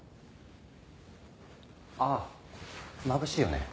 ああまぶしいよね。